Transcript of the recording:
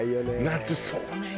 夏そうめん。